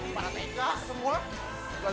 para teka semua